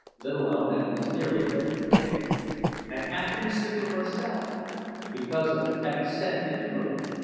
Little Ona is nearly ready to faint—and half in a stupor herself, because of the heavy scent in the room.